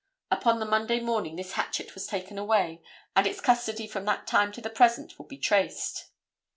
Upon the Monday morning this hatchet was taken away, and its custody from that time to the present will be traced.